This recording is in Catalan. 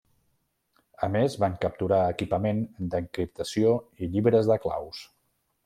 A més van capturar equipament d'encriptació i llibres de claus.